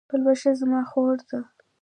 پلوشه زما خور ده